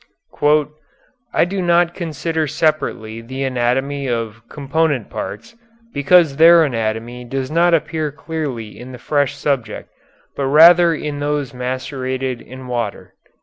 "I do not consider separately the anatomy of component parts, because their anatomy does not appear clearly in the fresh subject, but rather in those macerated in water."